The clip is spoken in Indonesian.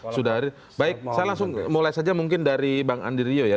saya langsung mulai saja mungkin dari bang andirio ya